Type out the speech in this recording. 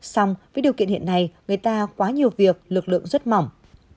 xong với điều kiện hiện nay người ta quá nhiều việc lực lượng rất mỏng